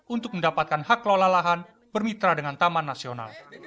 untuk mendapatkan hak lola lahan bermitra dengan taman nasional